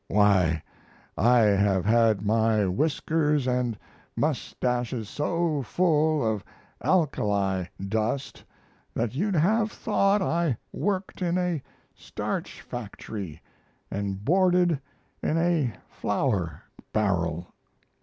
Why, I have had my whiskers and mustaches so full of alkali dust that you'd have thought I worked in a starch factory and boarded in a flour barrel.